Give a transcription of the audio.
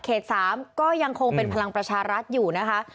๓ก็ยังคงเป็นพลังประชารัฐอยู่นะคะ